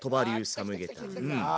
サムゲタンうん。